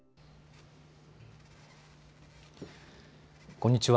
こんにちは。